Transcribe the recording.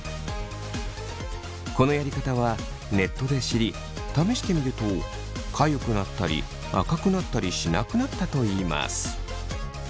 このやり方はネットで知り試してみるとかゆくなったり赤くなったりしなくなったといいます。